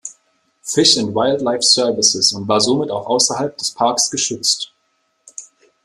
Fish and Wildlife Services und war somit auch außerhalb des Parks geschützt.